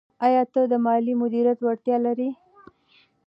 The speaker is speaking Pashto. آیا ته د مالي مدیریت وړتیا لرې؟